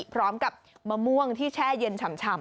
พร้อมกับมะม่วงที่แช่เย็นฉ่ำ